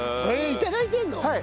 いただいてるの？